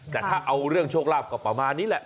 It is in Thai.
แต่ถ้าเอาเรื่องโชคลาภก็ประมาณนี้แหละ